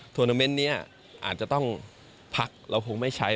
วนาเมนต์นี้อาจจะต้องพักเราคงไม่ใช้